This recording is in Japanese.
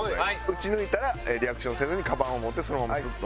撃ち抜いたらリアクションをせずにカバンを持ってそのままスッと。